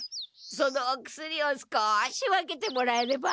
そのお薬を少し分けてもらえれば。